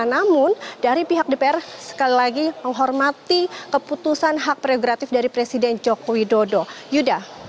namun dari pihak dpr sekali lagi menghormati keputusan hak prerogatif dari presiden joko widodo yuda